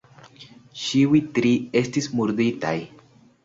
Ĉiuj tri estis murditaj.